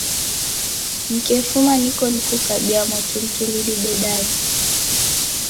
Nikefuma niko nikukabia mwatulituli didedanye.